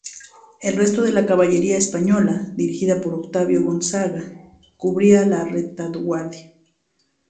El resto de la caballería española, dirigida por Ottavio Gonzaga, cubría la retaguardia.